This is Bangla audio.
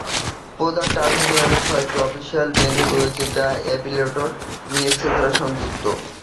প্রধান টার্মিনালের ছয়টি অফিসিয়াল মেঝে রয়েছে, যা এলিভেটর এবং এস্কেলেটর দ্বারা সংযুক্ত।